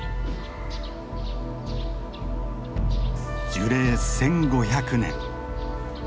樹齢１，５００年。